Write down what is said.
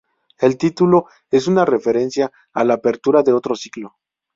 El título es una referencia a la apertura de otro ciclo".